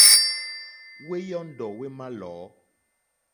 Wé yɔ́ndɔ̀ wé mà lɔ̌.